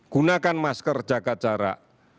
gunakan masker jaga jarak